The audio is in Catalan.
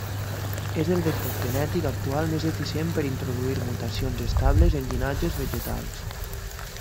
És el vector genètic actual més eficient per introduir mutacions estables en llinatges vegetals.